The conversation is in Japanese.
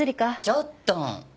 ちょっと！